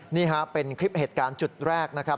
นี่ฮะเป็นคลิปเหตุการณ์จุดแรกนะครับ